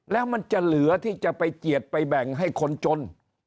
แล้วมันจะเหลือที่จะไปเจียดไปแบ่งให้คนจน